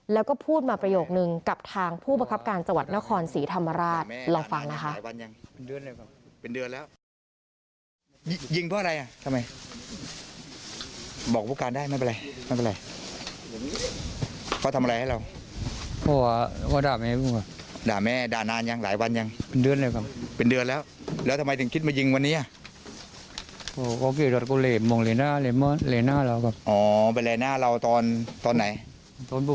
แล้วก็พูดมาประโยคนึงกับทางผู้ประคับการจังหวัดนครศรีธรรมราชลองฟังนะคะ